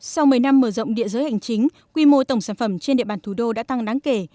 sau một mươi năm mở rộng địa giới hành chính quy mô tổng sản phẩm trên địa bàn thủ đô đã tăng đáng kể